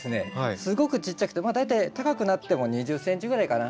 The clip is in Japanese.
すごくちっちゃくて大体高くなっても２０ｃｍぐらいかな。